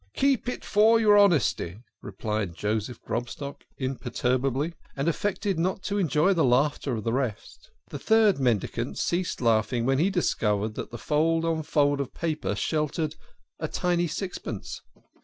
"Keep it for your honesty," replied Joseph Grobstock imperturbably, and affected not to enjoy the laughter of the rest. The third mendicant ceased laughing when he dis THE KING OF SCHNORRERS. 6 covered that fold on fold of paper sheltered a tiny sixpence.